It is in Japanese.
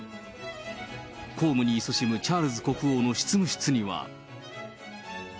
公務にいそしむチャールズ国王の執務室には。